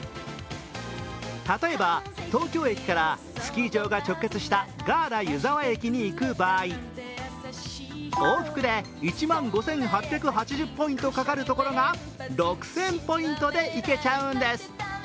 例えば東京駅からスキー場が直結したガーラ湯沢駅に行く場合往復で１万５８８０ポイントかかるところが６０００ポイントで行けちゃうんです。